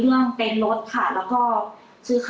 ช่วงเวลาเสือเหตุค่ะที่แม็กซ์อยู่ประเทศที่อยู่ด้วยค่ะ